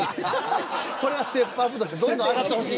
これがステップアップとしてどんどん上がってほしい。